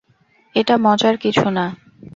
এটা মজার কিছু না!